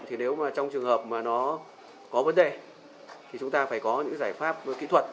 thì nếu mà trong trường hợp mà nó có vấn đề thì chúng ta phải có những giải pháp kỹ thuật